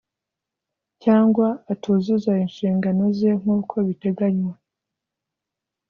cyangwa atuzuza inshingano ze nk uko biteganywa